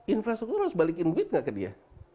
infrastruktur harus balikin duit gak ke dia